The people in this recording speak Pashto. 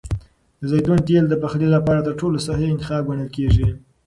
د زیتون تېل د پخلي لپاره تر ټولو صحي انتخاب ګڼل کېږي.